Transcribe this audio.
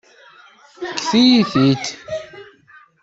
Fket-iyi-t-id.